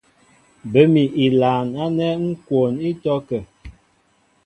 Bə́ mi ilaan ánɛ́ ŋ́ kwoon ítɔ́kə̂.